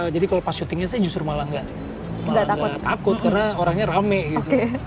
jadi kalo pas syutingnya sih justru malah gak takut karena orangnya rame gitu